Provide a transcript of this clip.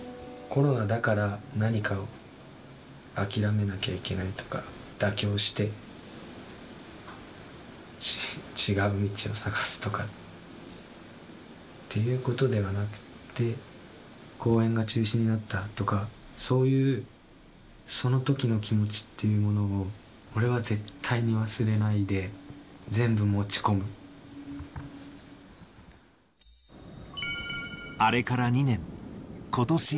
コロナだから何かを諦めなきゃいけないとか、妥協して、違う道を探すとかっていうことではなくって、公演が中止になったとか、そういうそのときの気持ちっていうものを、俺は絶対に忘れないで、あれから２年。